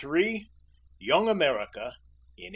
YOUNG AMERICA IN 1814.